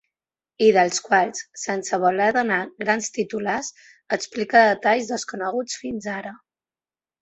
I dels quals, sense voler donar grans titulars, explica detalls desconeguts fins ara.